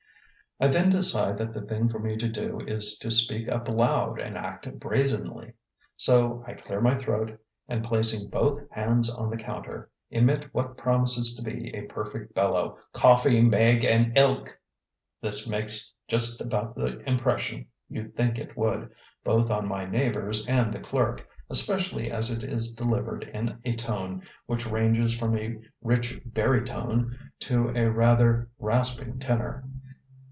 I then decide that the thing for me to do is to speak up loud and act brazenly. So I clear my throat, and, placing both hands on the counter, emit what promises to be a perfect bellow: "COFFEE, MEGG AND ILK." This makes just about the impression you'd think it would, both on my neighbors and the clerk, especially as it is delivered in a tone which ranges from a rich barytone to a rather rasping tenor.